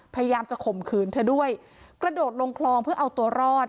พยายามจะข่มขืนเธอด้วยกระโดดลงคลองเพื่อเอาตัวรอด